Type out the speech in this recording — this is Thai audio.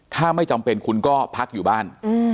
ถ้าไม่จำเป็นคุณก็พักอยู่บ้าน